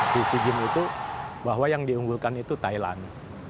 di sea games itu bahwa yang diunggulkan itu thailand